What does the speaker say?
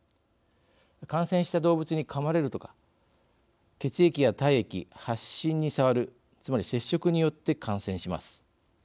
感染した動物にかまれるとか血液や体液、発疹に触るつまり接触によって感染します。